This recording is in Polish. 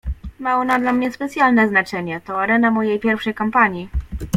"Ma ona dla mnie specjalne znaczenie: to arena mojej pierwszej kampanii."